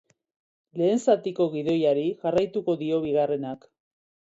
Lehen zatiko gidoiari jarraitu dio bigarrenak.